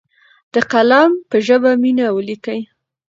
د قلم په ژبه مینه ولیکئ.